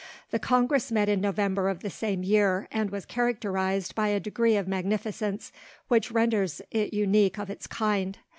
The Congress met in November of the same year, and was characterized by a degree of magnificence which renders it unique of its kind.